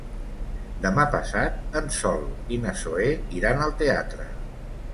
Demà passat en Sol i na Zoè iran al teatre.